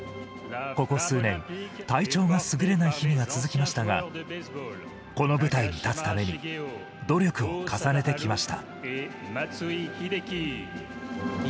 ここ数年体調が優れない日が続きましたがこの舞台に立つため努力を重ねてきました